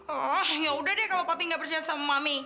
oh yaudah deh kalo papi gak percaya sama mami